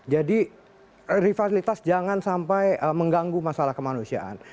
jadi rivalitas jangan sampai mengganggu masalah kemanusiaan